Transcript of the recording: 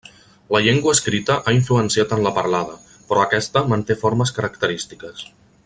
La llengua escrita ha influenciat en la parlada, però aquesta manté formes característiques.